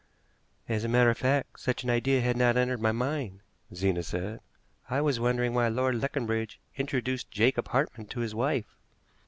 "As a matter of fact, such an idea had not entered my mind," Zena said. "I was wondering why Lord Leconbridge introduced Jacob Hartmann to his wife."